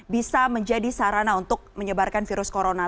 bisa menjadi sarana untuk menyebarkan virus corona